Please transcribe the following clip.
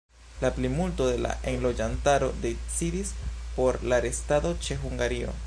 La plimulto de la enloĝantaro decidis por la restado ĉe Hungario.